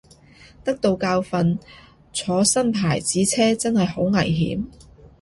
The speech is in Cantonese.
得到教訓，坐新牌子車真係好危險